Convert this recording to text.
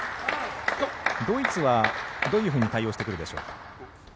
ドイツはどういうふうに対応してくるでしょうか。